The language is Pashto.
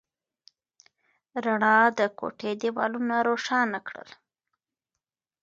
رڼا د کوټې دیوالونه روښانه کړل.